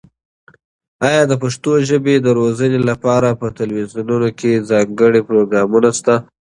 ایا د پښتو ژبې د روزنې لپاره په تلویزیونونو کې ځانګړي پروګرامونه شته؟